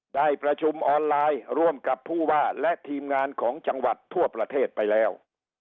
ได้ประชุมออนไลน์ร่วมกับผู้ว่าและทีมงานของจังหวัดทั่วประเทศไปแล้ว